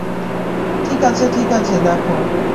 ঠিক আছে, ঠিক আছে, দেখো।